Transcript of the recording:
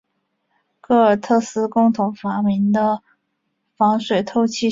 戈尔特斯共同发明的防水透气性布料。